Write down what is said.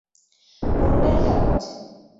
পুরোটাই খারাপ আছে!